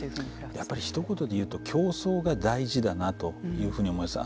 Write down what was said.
やっぱりひと言で言うと競争が大事だなというふうに思います。